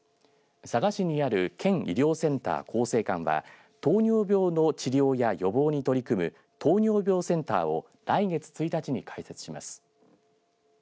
佐賀市にある県医療センター好生館は糖尿病の治療や予防に取り組む糖尿病センターを来月１日に開設します。